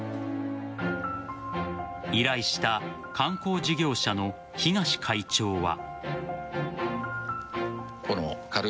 依頼した観光事業者の東会長は。